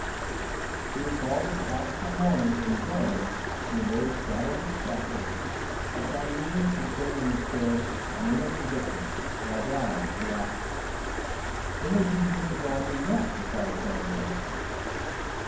He recalled the tragical morning when Gurn, in the very shadow of the scaffold, had found means to send in his stead an innocent victim, Valgrand, the actor. "When will you begin to draw in your net?" inquired Fandor.